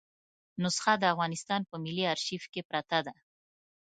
نسخه د افغانستان په ملي آرشیف کې پرته ده.